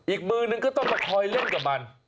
อีกมือนึงก็ต้องมาคอยเล่นกับมัน